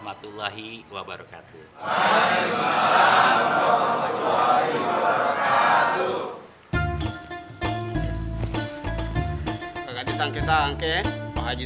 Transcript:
kan tadi lo denger sendiri dari staff marketing